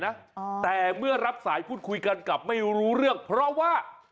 แหลกอยู่เหมือนกัน